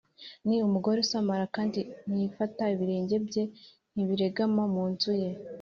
ni umugore usamara kandi ntiyifata, ibirenge bye ntibiregama mu nzu ye